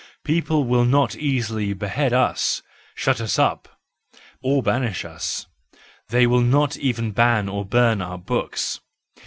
People will not easily behead us, shut us up, or banish us ; they will not even ban or burn our books.